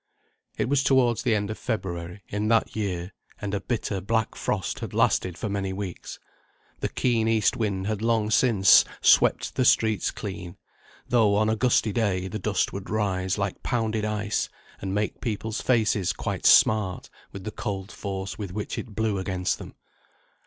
It was towards the end of February, in that year, and a bitter black frost had lasted for many weeks. The keen east wind had long since swept the streets clean, though on a gusty day the dust would rise like pounded ice, and make people's faces quite smart with the cold force with which it blew against them.